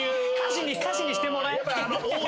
歌詞にしてもらえ。